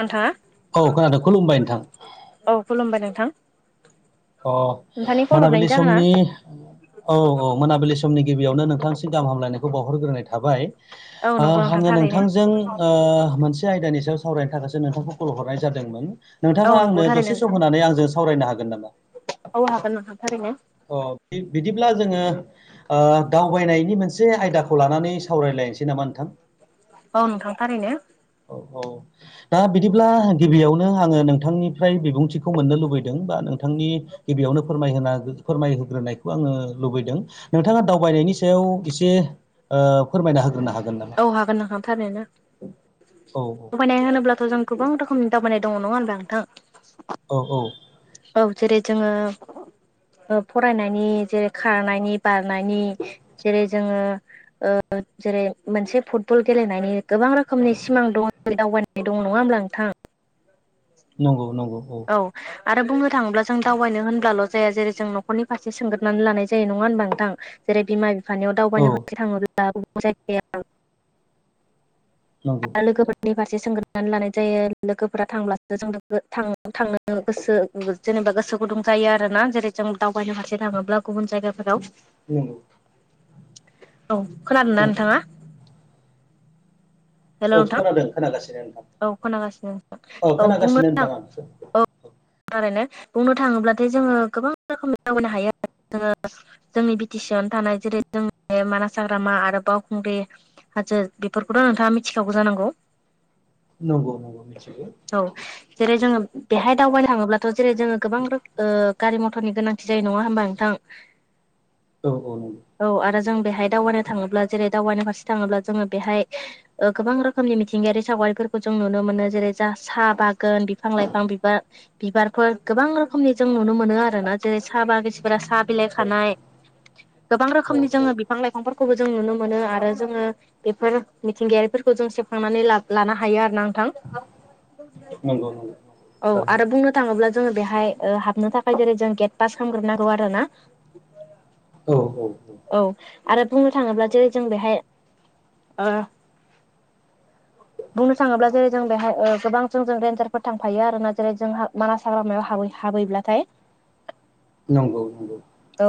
नोंथाङा औ खोनादों खुलुमबाय नोंथां औ खुलुमबाय नोंथां। अ नोंथांनि कल मोनाबिलि हरनायनि जाहोना समनि औ औ मोनाबिलि समनि गिबियावनो नोंथांसिम गाहाम हामलायनायखौ बावहरग्रोनाय थाबाय औ नंगौ नोंथां आंङो थारैनो नोंथांजों ओ मोनसे आयदानि सायाव सावरायनो थाखायसो नोंथांखौ खुल हरनाय जादोंमोन औ नोंथाङा नंगौ आंनो थारैनो दसे सम नोंथां होनानै आंजों सावरायनो हागोन नामा? औ हागोन नोंथां थारैनो। अ बिदिब्ला जोङो ओ दावबायनायनि मोनसे आयदाखौ लानानै सावरायलायनोसै नामा नोंथां? औ नोंथां थारैनो। औ औ दा बिदिब्ला गिबियावनो आङो नोंथांनिफ्राय बिबुंथिखौ मोननो लुबैदों बा नोंथांनि गिबियावनो फोरमायहोना फोरमायहोग्रोनायखौ आङो लुबैदों। नोंथाङा दावबायनायनि सायाव एसे ओ फोरमायना होग्रोनो हागोन ना? औ हागोन नोंथां थारैनो औ दावबायनाय होनोब्लाथ' जों गोबां रोखोमनि दावबायनाय दंङ नङा होनबा नोंथां? औ औ। औ जेरै जोंङो ओ फरायनायनि जेरै खारनायनि बारनायनि जेरै जोङो ओ जेरै मोनसे फुटबल गेलेनायनि गोबां रोखोमनि सिमां दं दावबायनाय दं नङा होमब्ला नोंथां? नंगौ नंगौ औ। औ आरो बुंनो थाङोब्ला जों दावबायनो होनब्लाल' जाया जेरै जों न'खरनि फारसे सोंगोरनानै लानाय जायो नङा होनबा नोंथां? जेरै बिमा बिफानियाव औ दावबायनो खाथि थाङोब्ला गुबुन जायगायाव नंगौ। लोगोफोरनि फारसे सोंग्रोनानै लानाय जायो लोगोफोरा थांब्लासो जोंनाबो थां थांनो गोसो जेनेबा गोसो गुदुं जायो आरोना जेरै जों दावबायनो फारसे थाङोब्ला गुबुन जायगाफोराव नंगौ औ खोनादों ना नंगौ नोंथाङा? हेल' औ नोंथां खोनादों खोनागासिनो नोथां औ खोनागासिनो औ बुंनो खोनागासिनो थां नोंथां आं। औ थारैनो बुंनो थाङोब्लाथाय जोङो गोबां रोखोमनि दावबायनो हायो आरो जोङो जोंनि बि टि सि आवनो थानाय जेरै जोंनि मानास हाग्रामा आरो बावखुंग्रि हाजो बेफोरखौथ' नोंथाङा मिथिखागौ जानांगौ? नंगौ नंगौ मिथिगो। औ जेरै जोङो बेहाय दावबायनो थाङोब्लाथ' जेरै जोङो गोबां रोख ओ गारि मथरनि गोनांथि जायो नङा होमबा नोंथां? औ औ नंगौ। औ आरो जों बेहाय दावबायनो थाङोब्ला जेरै दावबायनो फारसे थाङोब्ला जोङो बेहाय ओ गोबां रोखोमनि मिथिंगायारि सावगारिफोरखौ जों नुनो मोनो जेरै जा साहा बागोन, बिफां लाइफां, बिबार बिबारफोर गोबां रोखोमनि जों नुनो मोनो आरो ना जेरै साहा बागिसि फोरा साहा बिलाइ औ खानाय गोबां औ रोखोमनि औ जोङो बि बिफां लाइफांफोरखौबो जों नुनो मोनो आरो जोङो बेफोर मिथिंगायारिफोरखौ जों सेबखांनानै लाब लानो हायो आरो ना नोंथां। नंगौ नंगौ औ आरो बुंनो थाङोब्ला जोङो बेहाय ओ हाबनो थाखाय जेरै जों गेट पास खामग्रोनांगौ आरोना। औ औ औ। औ आरो बुंनो थाङोब्ला जेरै जों बेहाय ओ बुंनो थाङोब्ला जेरै जों बेहाय ओ गोबां जोंजों रेन्जारफोर थांफायो आरो ना जेरै जोंहा मानास हाग्रामायाव हाबै हाबहैब्लाथाय नंगौ नंगौ। औ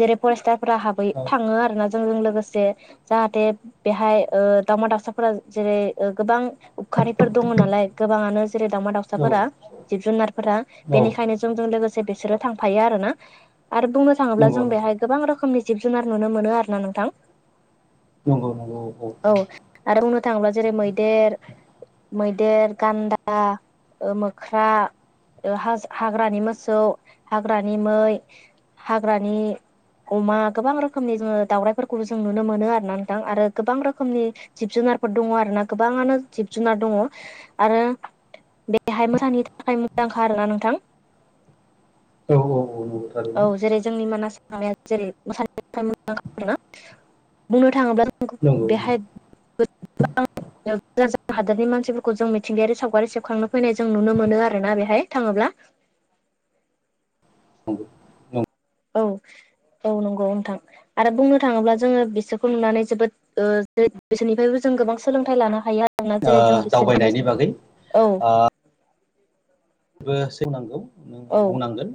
जेरै फरेस्टारफोरा हाबै थाङो आरो ना जोंजों लोगोसे जाहाथे बेहाय ओ दावमा दाउसाफोरा जेरै ओ गोबां उबखारिफोर दङ नालाय गोबाङानो जेरै दाउमा औ दाउसाफोरा जिब जुनारफोरा औ बेनिखायनो जोंजों लोगोसे बिसोरो थांफायो आरोना आरो बुंनो थाङोब्ला नंगौ जों बेहाय गोबां रोखोमनि जिब जुनार नुनो मोनो आरोना नोंथां। नोंगै औ आरो बुंनो थाङोब्ला जेरै मैदेर मैदेर गान्दा मो खख्रा हाग्रानि मोसौ हाग्रानि मै हाग्रानि अमा गोबां रोखोमनि जोङो दाावराइफोरखौबो जों नुनो मोनो आर ना नोंथां आरो गोबां रोखोमनि जिब जुनारफोर दङ आरो ना गोबाङानो जिब जुनार दङ आरो बेहाय फिसानि थाखाय मोजांखा आरोना नोंथां औ औ औ थारैनो जेरै जोंनि मानासाया जेरै मोसानाय मोजां आरो ना बुंनो थाङोब्ला नंगौ बेहाय नंगौ [inaudible] जों हादोरनि मानसिफोरखौ जों मिथिंगायारि सावगारि सेबखांनो फैनाय जों नुनो मोनो आरोना बेहाय थाङोब्ला नोंगै औ औ नंगौ नोंथां आरो बुंनो थाङोब्ला जोङो बिसोरखौ नुनानै जोबोद ओ ग्रुसननिफ्रायबो जों गोबां सोलोंथाइ लानो हाया थांना जेरै जों बिसोरबो दावबायनायनि बागैबो औ गबो सोंनांगौ औ बुंनांगोन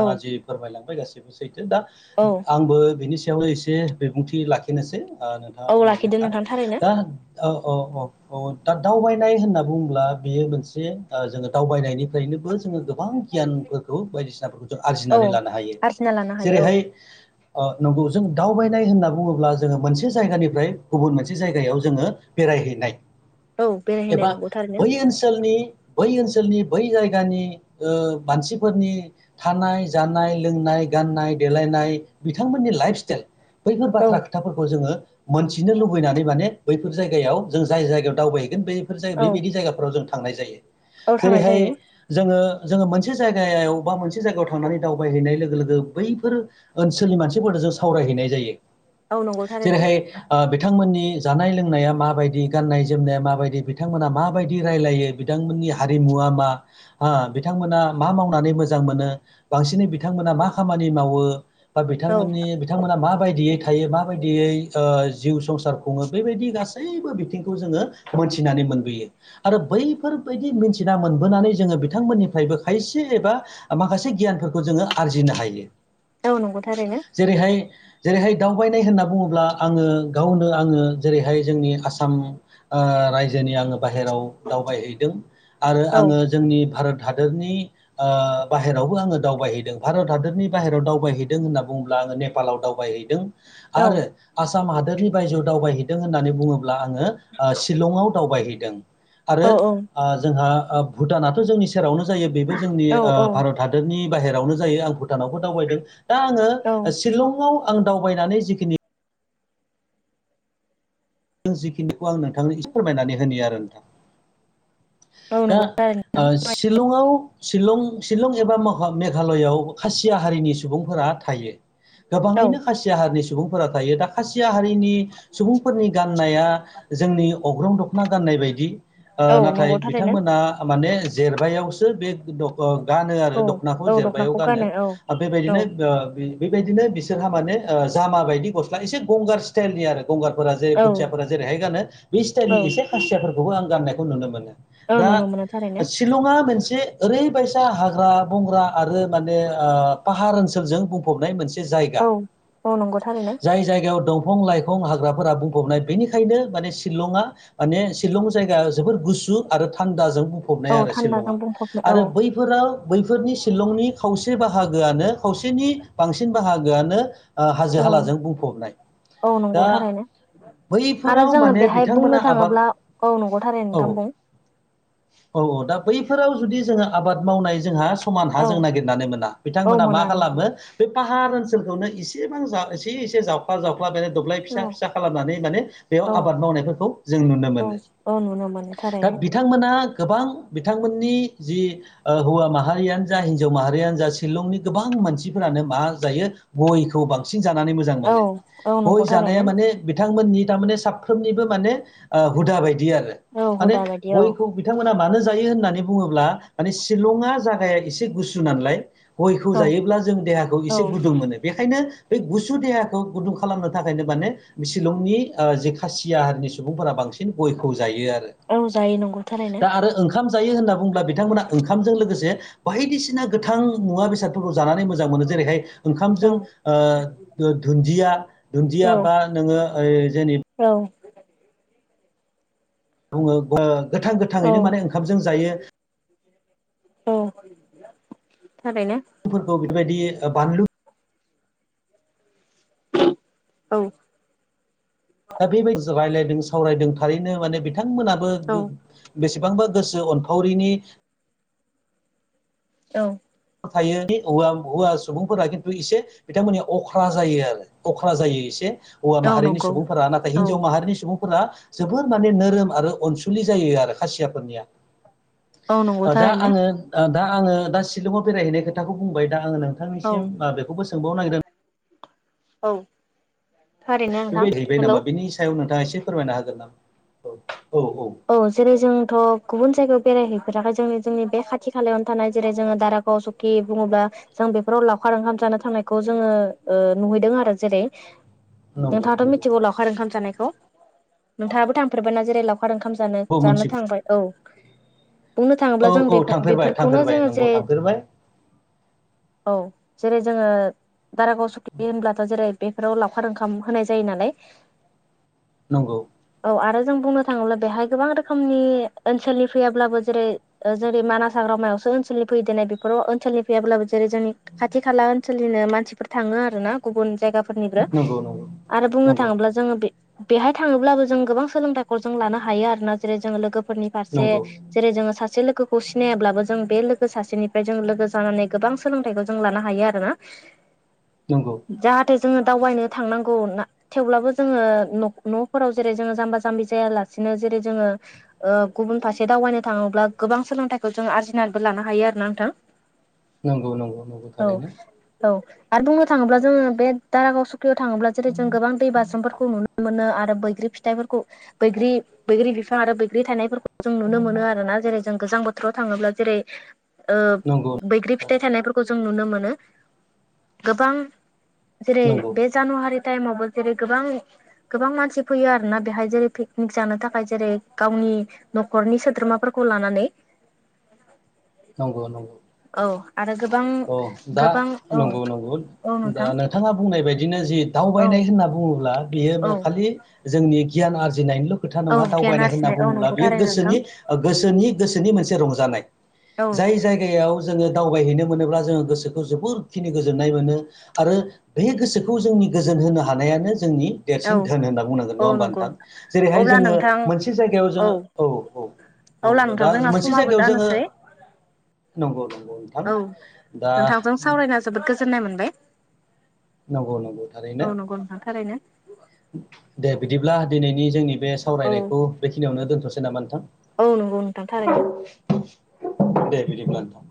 औ जि फोरमायलांबाय गासिबो सैथो दा औ आंबो बिनि सायावनो एसे बिबुंथि लाखिनोसै ओ औ लाखिदो बुंनायलेखा नोंथां थारैनो दा औ औ औ औ दा दावबायनाय होनना बुङोब्ला बियो मोनसे जोङो दावबायनायनि नोबो जोङो गोबां गियानफोरखौ बायदिसिनाफोरखौ औ आरजिनानै लानो हायो आरजिना लानो हायो औ जेरैहाय ओ नंगौ जों दावबायनाय होनना बुङोब्ला जोङो मोनसे जायगानिफ्राय गुबुन मोनसे जायगायाव जोङो बेरायहैनाय [inaudible] बेरायहैनाय एबा नंगौ थारैनो बै ओनसोलनि बै ओनसोलनि बै जायगानि ओ मानसिफोरनि थानाय जानाय लोंनाय गाननाय देलायनाय बिथांमोननि लाइफ स्टाइल बैफोर औ बाथ्रा खोथाफोरखौ जोङो मोनथिनो लुबैनानै माने बैफोर जायगायाव जों जाय जायगायाव दावबायहैगोन बे बेफोर ज औ बेबायदि जायगाफोराव जों थांनाय जायो औ थांनाय जेरैहाय जायो जोङो जोङो मोनसे जायगायाव बा मोनसे जायगायाव थांनानै दावबायहैनाय लोगो लोगो बैफोर ओनसोलनि मानसिफोरनो जों सावरायहैनाय जायो औ नंगौ थारैनो जेरैहाय ओ बिथांमोननि जानाय लोंनाया माबायदि गाननाय जोमनाया माबायदि बिथांमोना माबायदि रायलायो बिथांमोननि हारिमुवा मा ह बिथांमोना मा मावनानै मोजां मोनो बांसिनै बिथांमोना मा खामानि मावो बा औ बिथांमोननि बिथांमोना माबायदियै थायो माबायदियै जिउ संसार खुङो बेबायदि गासैबो बिथिंखौ जोङो मोनथिनानै मोनबोयो आरो बैफोरबायदि मोनथिना मोनबोनानै जोङो बिथांमोननिफ्रायबो खायसे एबा माखासे गियानफोरखौ जोङो आरजिनो हायो औ नंगौ थारैनो जेरैहाय जेरैहाय दावबायनाय होनना बुङोब्ला आङो गावनो आङो जेरैहाय जोंनि आसाम ओ रायजोनि आङो बाहेरायाव दावबायहैदों आरो औ आङो जोंनि भारत हादोरनि। ओ बाहेरायावबो आङो दावबायहैदों भारत हादरनि बाहेरायाव दावबायहैदों होनना बुङोब्ला आङो नेपा पालाव दावबायहैदों औ आरो। आसाम हादोरनि बायजोआव दावबायहैदों होननानै बुङोब्ला आङो शिलंआव दावबायहैदों। आरो औ ओ जोंहा भुटानाथ' जोंनि सेरावनो जायो बेबो जोंनि औ ओ भारत हाद‌ दोरनि बाहेरावनो जायो आं भुटानावबो दावबायदों दा आङो औ सि शिलंआव आं दावबायनानै जिखिनि। जिखिनिखौ आं नोंथांनो इसे फोरमायनानै होनि आरो नोंथां औ दा। नंगौ थारैनो ओ नोंथां शिलंआव शिलं एबा मेघालयआव खासिया हारिनि सुबुंफोरा। थायो औ गोबाङैनो खासिया हारिनि सुबुंफोरा थायो दा खासिया हारिनि सुबुंफोरनि गाननाया जोंनि अग्रं दख'ना गाननाय बायदि औ नाथाय नंगौ थारैनो बिथांमोना आ माने जेरबायावसो बे दख'ना ओ गानो आरो औ दख'नाखौ औ जेरबायायाव दख'नाखौ गानो औ औ बेबायदिनो। बेबायदिनो बिसोरहा मानेह ओ जामा बायदि गस्ला एसे गंगार स्टाइलनि आरो गंगारफोरा जे औ बुथियाफोरा जेरैहाय गानो बे स्टाइलनि औ एसे खाासियाफोरखौबो आं गाननायखौ नुनो मोनो। औ दा‌ नुनो मोनो थारैनो शिलंआ मोनसे ओरैबायसा हाग्रा बंग्रा आरो माने ओ पाहार ओनसोलजों बुं फबनाय मोनसे जायगा। औ औ नंगौ थारैनो जाय जायगायाव दंफां लाइफां हाग्राफोरा बुंफबनाय बेनिखायनो माने शिलंआ माने शिलं जायगाया जोबोर गुसु आरो थान्दाजों बुंफबनाय औ आरो थान्दाजों शिलंआ बुंफबनो औ आरो बै फोराव बैफोरनि शिलंनि खावसे बाहागोआनो खावसेनि बांसिन बाहागोआनो ओ हाजो औ हालाजों बुंफबनाय औ नंगौ दा थारैनो आरो बैफोराव जोङो माने बेहाय बुंनो बिथांमोना आबाद थाङोब्ला औ नंगौ थारैनो औ नोंथां बुं औ औ दा बैफोराव जुदि जोङो आबाद मावनाय जोंहा समान हा औ जों नागिरनानै मोना औ बिथांमोना मा मोना नंगौ खालामो। बे पाहार ओनसोलखौनो एसेबां जा एसे एसे जावफ्ला जावफ्ला बे दब्लाय फिसा औ फिसा। खालामनानै माने बेयाव औ आबाद मावनायफोरखौ जों नुनो औ मोनो औ नुनो मोनो दा। थारैनो बिथांमोना गोबां बिथांमोननि जि। ओ हौवा माहारियानो जा हिनजाव माहारियानो जा शिलंनि गोबां मानसिफोरानो मा जायो। गयखौ बांसिन जानानै मोजां औ मोनो औ गय नंगौ जानाया थारैनो माने। बिथांमोननि थारमाने साफ्रोमनिबो माने ओ हुदा बायदि आरो औ माने हुदा बायदि औ गयखौ। बिथांमोना मानो जायो होननानै बुङोब्ला माने शिलंआ जागाया एसे गुसु नालाय। गयखौ औ जायोब्ला जों देहाखौ औ एसे गुदुं मोनो। बेखायनो बे गुसु देहाखौ गुदुं खालामनो थाखायनो माने शिलंनि ओ जे खासिया हारिनि सुबुंफोरा बांसिन गयखौ जायो आरो। औ जायो नंगौ थारैनो। दा आरो ओंखाम जायो होनना बुंब्ला बिथांमोना ओंखामजों लोगोसे। बायदिसिना गोथां मुवा बेसादफोरखौ जानानै मोजां मोनो जेरैहाय औ ओंखामजों ओ दुन्दिया दुन्दिया औ बा नोङो ओइ जेने औ। बुङो गोथां औ गोथाङैनो माने ओंखामजों जायो। [inaudible] औ थारैनो। फोरखौ बेफोरबायदि बानलु औ। दा बेबायदि रायज्लायदों सावरायदों थारैनो माने बिथांमोनाबो औ बेसेबांबा गोसो अनफावरिनि। औ। थायो हौवा हौवा सुबुंफोरा खिन्थु एसे। बिथांमोनया अख्रा जायो आरो अख्रा जायो एसे हौवा औ माहारि नंगौ सुबुंफोरा नाथाय औ हिनजाव माहारिनि सुबुं फोरा जोबोद माने नोरोम आरो अनसुलि जायो आरो खासियाफोरनिया। औ नंगौ अ दा थारैनो आङो दा आङो दा शिलंआव बेरायहैनाय खोथाखौ बुंबाय दा आङो नों औ नोंथांनिसिम बा बेखौबो सोंबावनो नागिरदों औ। थारैनो नोंथां बेबायदि हैबाय हेलौ नामा बिनि सायाव नोंथाङा एसे फोरमायनो हागोन नामा औ औ औ औ जेरै जोंथ' गुबुन जायगायाव बेरायहैफेराखै जोंनि जोंनि बे खाथि खालायावनो थानाय जेरै जोङो दारागाव बुंङब्ला जों बेफोराव लावखार ओंखाम जानो थांनायखौ जोङो नुहैदों आरो जेरै नंगौ नोंथाङाथ' नंगौ मिथिगौ लावखार ओंखाम जानायखौ नोंथाङाबो थांफेरबाय ना जेरै लाव लावखार ओंखाम जानो औ जानो मोनथिगौ थांबाय औ। बुंनो थाङोब्ला औ जों औ बेफे थांफेरबाय बेफोरखौनो थांफेरबाय जोङो नंगौ जे थांफेरबाय औ जेरै जोङो दारागाव स'खि होनब्लाथ' जेरै बेफोराव लावखार ओंखाम होनाय जायो नालाय नंगौ। औ आरो जों बुंनो थाङोब्ला बेहाय गोबां रोखोमनि ओनसोलनि फैयाब्लाबो जेरै जेरै मानास हाग्रामायावसो ओनसोलनि फैेयो देनाय बेफोर ओनसोलनि फैया ब्लाबो जेरै जोंनि खाथि खालानिनो मानसिफोर थाङो आरो ना गुबुन जायगा फोरनिब्रो नंगौ नंगौ आरो बुंनो नंगौ थाङोब्ला जोङो बे बेहाय थाङोब्लाबो जों गोबां सोलोंथाइ जों लानो हायो आरो ना जेरै जोंङो लोगोफोरनि फारसे नंगौ जेरै जोङो सासे लोगोखौ सिनायाब्लाबो जों बे लोगो सासेनिफ्राय जों लोगो जानानै गोबां सोलोंथाइखौ जों लानो हायो आरोना। नंगौ। जाहाथे जोङो दावबायनो थांनांगौ ना थेवब्लाबो जोङो न' न'फोराव जेरै जोङो जाम्बा ज' जाम्बि जायालासिनो जेरै जोङो ओ गुबुन फारसे दावबायनो थाङोब्ला गोबां सोलोंथाइखौ जों आरजिनानैबो लानो हायो आरो ना नोंथां। नंगौ नंगौ नंगौ औ थारैनो। औ आरो बुंनो थाङोब्ला जोङो बे दारागाव सुकियाव थाङोब्ला जेरै जों गोबां दै बाज्रुफोरखौ नुनो मोनो आरो बैग्रि फिथाइफोरखौ बैग्रि बैग्रि बिफां आरो बैग्रि थनायफोरखौ जों नुनो मोनो आरो ना जेरै जों गोजां बोथोराव थाङोब्ला जेरै ओ नंगौ बैग्रि फि औ फिथाइ थानायफोरखौ जों नुनो मोनो गोबां जेरै नंगौ बे जानुवारि टाइमावबो जेरै गोबां गोबां मानसि फैयो आरोना बेहाय जेरै पिकनिक जानो थाखाय जेरै गावनि न'खरनि सोद्रोमाफोरखौ लानानै [unintelligible] नंगौ नंगौ। औ आरो गोबां अ दा गोबां औ नंगौ नंगौ औ दा नोंथां नोंथाङा बुंनाय बादिनो जि औ दावबायनाय होनना बुङोब्ला औ बियो खालि जोंनि गियान आरजिनायनिल' खोथा औ नङा गियान दावबायनाय होनना आरजिनाय औ बुङोब्ला नंगौ बियो थारैनो नोंथां गोसोनि ओ गोसोनि-गोसोनि मोनसे रंजानाय। औ। जाय जायगायाव जोङो दावबायहैनो मोनोब्ला जोङो गोसोखौ जोबोर खिनि गोजोननाय मोनो। आरो बे गोसोखौ जोंनि गोजोन होनो हानायानो जोंनि औ देरसिन धोन होनना बुंनांगोन औ नङा होमबा नंगौ नोंथां। जेरैहाय अब्ला जोङो नोंथां मोनसे जायगायाव जोङो औ औ। अब्ला औ नोंथां दा जोंना मोनसे समाबो जायगायाव जोङो जानोसै नंगौ नंगौ नोंथां। औ दा नोंथांजों सावरायना जोबोद गोजोननाय मोनबाय। नंगौ नंगौ थारैनो औ नंगौ नोंथां थारैनो दे बिदिब्ला दिनैनि जोंनि बे औ सावरायनायखौ बेखिनियावनो दोनथ'सै नामा औ नंगौ नोंथां। थारैनो दे बिदिब्ला नोथां।